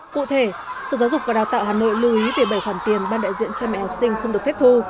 cụ thể sở giáo dục và đào tạo hà nội lưu ý về bảy khoản tiền ban đại diện cha mẹ học sinh không được phép thu